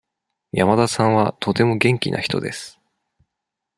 山田さんはとても元気な人です。